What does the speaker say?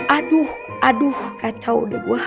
aduh aduh kacau deh gue